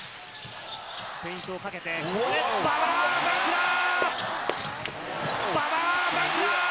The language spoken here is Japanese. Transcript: フェイントをかけて、馬場、ダンクだー！